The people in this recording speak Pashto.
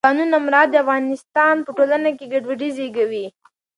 د قانون نه مراعت د افغانستان په ټولنه کې ګډوډي زیږوي